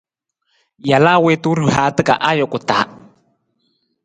Jalaa wiitu rihaata ka ajuku taa.